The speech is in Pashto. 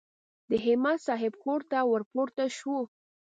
د همت صاحب کور ته ور پورته شوو.